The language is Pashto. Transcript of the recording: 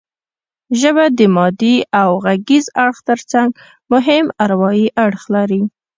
ژبه د مادي او غږیز اړخ ترڅنګ مهم اروايي اړخ لري